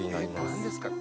何ですか？